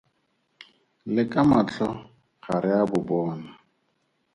Le ka matlho ga re a bo bona.